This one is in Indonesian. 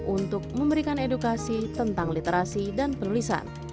untuk memberikan edukasi tentang literasi dan penulisan